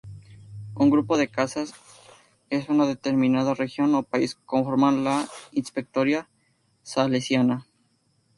Un grupo de casas en una determinada región o país conforman la "Inspectoría Salesiana".